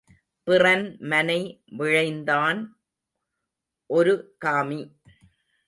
பிறன் மனை விழைந்தான் ஒரு காமி.